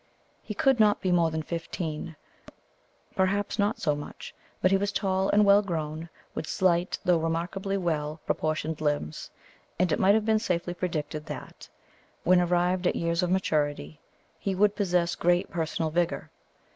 He could not be more than fifteen, perhaps not so much, but he was tall and well grown, with slight though remarkably well proportioned limbs; and it might have been safely predicted that, when arrived at years of maturity, he would possess great personal vigour.